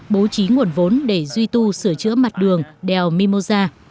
bố trí nguồn vốn để duy tu sửa chữa mặt đường đèo mimosa